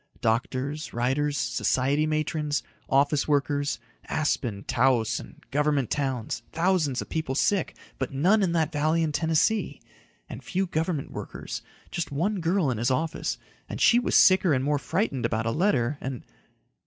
Doctors, writers, society matrons, office workers Aspen, Taos and college towns thousands of people sick but none in that valley in Tennessee and few government workers just one girl in his office and she was sicker and more frightened about a letter and....